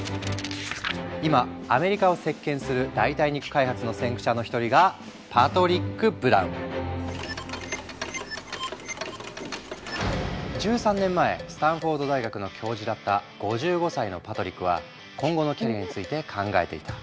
今アメリカを席巻する代替肉開発の先駆者の一人が１３年前スタンフォード大学の教授だった５５歳のパトリックは今後のキャリアについて考えていた。